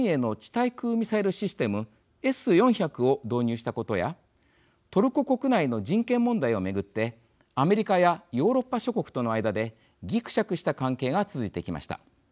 対空ミサイルシステムＳ４００を導入したことやトルコ国内の人権問題を巡ってアメリカやヨーロッパ諸国との間でぎくしゃくした関係が続いてきました。